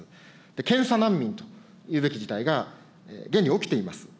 検査難民というべき事態が現に起きています。